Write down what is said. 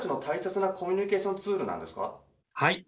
はい。